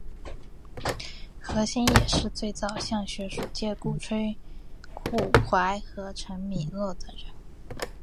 何新也是最早向学术界鼓吹顾准和陈寅恪的人。